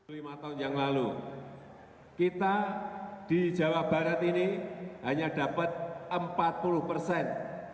lima tahun yang lalu kita di jawa barat ini hanya dapat empat puluh persen